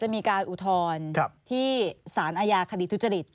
มีการอุทธรณ์ที่สารอาญาคดีทุจริต